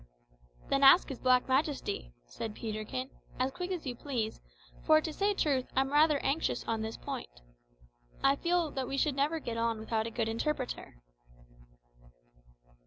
"Then ask his black majesty," said Peterkin, "as quick as you please, for, to say truth, I'm rather anxious on this point. I feel that we should never get on without a good interpreter."